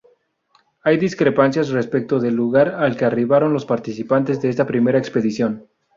Hay discrepancias respecto del lugar al que arribaron los participantes de esta primera expedición.